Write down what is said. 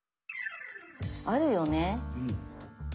あるよね。